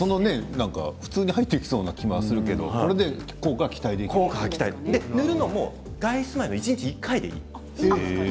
普通に入っていきそうな気がするけどこれで塗るのも外出前一日１回でいいんです。